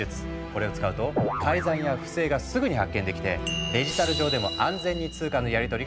これを使うと改ざんや不正がすぐに発見できてデジタル上でも安全に通貨のやりとりができるんだ。